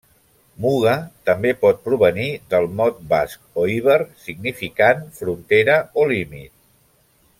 Muga també pot provenir del mot basc, o iber, significant frontera o límit.